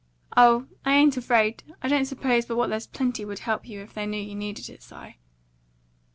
"Oh, I ain't afraid. I don't suppose but what there's plenty would help you, if they knew you needed it, Si."